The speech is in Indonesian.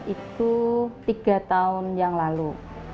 itu tiga tahun yang lalu